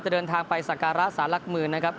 จะเดินทางไปสังการรัฐศาสตร์ลักมือนะครับ